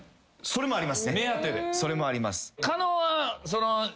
それもあります。